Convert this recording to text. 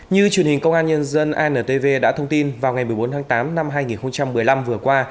như truyền hình công an nhân dân antv đã thông tin vào ngày một mươi bốn tháng tám năm hai nghìn một mươi năm vừa qua